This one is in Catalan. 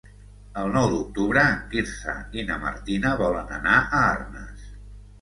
El nou d'octubre en Quirze i na Martina volen anar a Arnes.